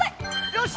よし！